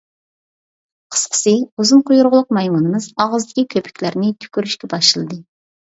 قىسقىسى، ئۇزۇن قۇيرۇقلۇق مايمۇنىمىز ئاغزىدىكى كۆپۈكلەرنى تۈكۈرۈشكە باشلىدى.